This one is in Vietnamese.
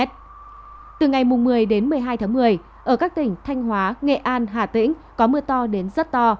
từ ngày một mươi đến một mươi hai tháng một mươi ở các tỉnh thanh hóa nghệ an hà tĩnh có mưa to đến rất to